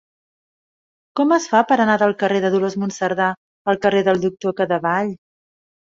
Com es fa per anar del carrer de Dolors Monserdà al carrer del Doctor Cadevall?